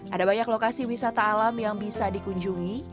ada banyak lokasi wisata alam yang bisa dikunjungi